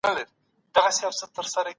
اقتصادي پوهه د هر چا لپاره اړینه ده.